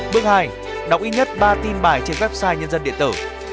bước hai đọc ít nhất ba tin bài trên website nhân dân điện tử